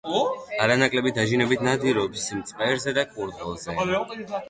არანაკლები დაჟინებით ნადირობს მწყერზე და კურდღელზე.